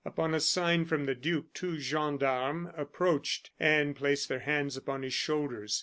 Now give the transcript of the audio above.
Upon a sign from the duke, two gendarmes approached and placed their hands upon his shoulders.